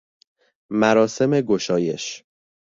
مراسم گشایش